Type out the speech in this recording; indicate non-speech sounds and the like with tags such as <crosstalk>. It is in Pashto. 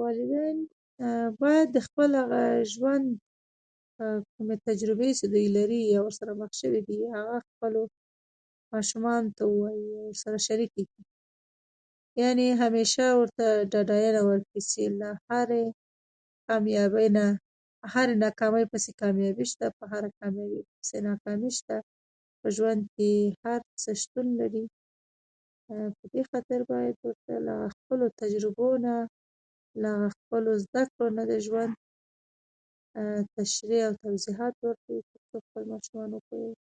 والدين باید، هغه د خپل ژوند کومې تجربې چې دوی لري، یا ورسره مخ شوي دي، هغه خپلو ماشومانو ته ووايي، يا ورسره شريکې یې کړي، او همېشه ورته ډاډینه ورکړي چې هرې کاميابې نه، هرې ناکامۍ پسې کاميابي شته، هرې کاميابۍ پسې ناکامي شته. په ژوند کې هر څه شتون لري. په دې خاطر باید ورته له خپلو تجربو نه، له خپلو زده کړو نه، د ژوند تشریح او توضیحات ورکړو، تر خپل ماشومان. <hesitation>